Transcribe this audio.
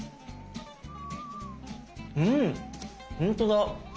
うんほんとだ！